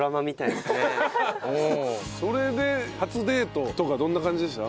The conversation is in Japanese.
それで初デートとかどんな感じでした？